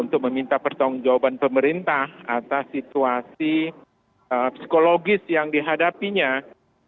untuk meminta pertanggung jawaban pemerintah atas situasi psikologis yang dihadapinya di lig rio